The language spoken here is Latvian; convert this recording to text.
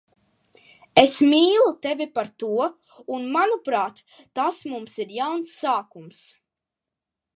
Es mīlu tevi par to un, manuprāt, tas mums ir jauns sākums.